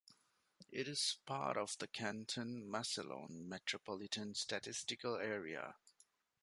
It is part of the Canton-Massillon Metropolitan Statistical Area.